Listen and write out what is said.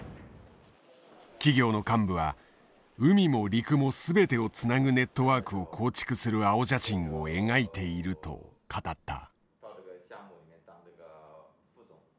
企業の幹部は海も陸も全てをつなぐネットワークを構築する青写真を描いていると語った。